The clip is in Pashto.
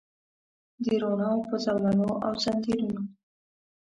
د روڼا په زولنو او ځنځیرونو